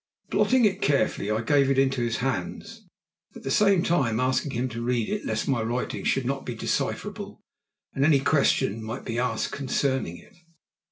Blotting it carefully, I gave it into his hands, at the same time asking him to read it, lest my writing should not be decipherable and any question might be asked concerning it.